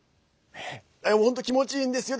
本当、気持ちいいんですよ。